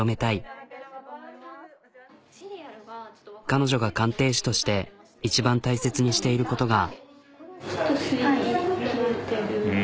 彼女が鑑定士として一番大切にしていることが。